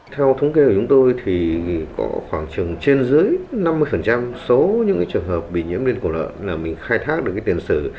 theo thống kê của chúng tôi thì có khoảng trừng trên dưới năm mươi số những trường hợp bị nhiễm lên cổ lợn là mình khai thác được tiền sử